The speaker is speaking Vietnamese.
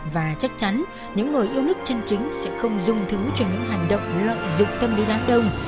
và chắc chắn những người yêu nước chân chính sẽ không dung thứ cho những hành động lợi dụng tâm lý đám đông